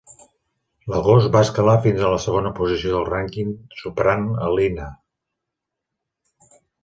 L'agost va escalar fins a la segona posició del rànquing superant a Li Na.